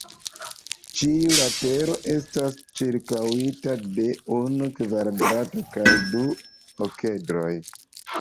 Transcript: Ĉiu latero estas ĉirkaŭita de unu kvaredro kaj du okedroj.